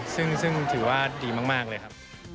ซึ่งถือว่าดีมากเลยครับ